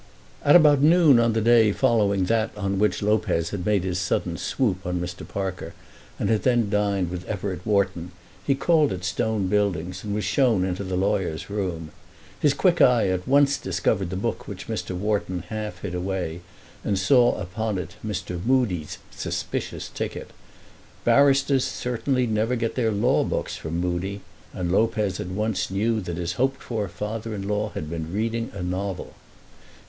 At about noon on the day following that on which Lopez had made his sudden swoop on Mr. Parker and had then dined with Everett Wharton, he called at Stone Buildings and was shown into the lawyer's room. His quick eye at once discovered the book which Mr. Wharton half hid away, and saw upon it Mr. Mudie's suspicious ticket. Barristers certainly never get their law books from Mudie, and Lopez at once knew that his hoped for father in law had been reading a novel.